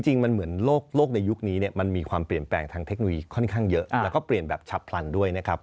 จริงมันเหมือนโลกในยุคนี้มันมีความเปลี่ยนแปลงทางเทคโนโลยีค่อนข้างเยอะแล้วก็เปลี่ยนแบบฉับพลันด้วยนะครับ